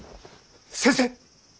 先生！